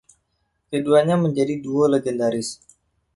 Keduanya menjadi duo legendaris.